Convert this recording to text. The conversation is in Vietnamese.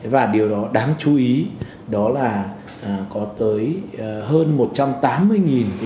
và điều đó đáng chú ý đó là có tới hơn một trăm tám mươi trường hợp